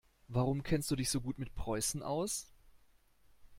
Warum kennst du dich so gut mit Preußen aus?